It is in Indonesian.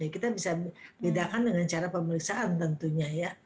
kita bisa bedakan dengan cara pemeriksaan tentunya ya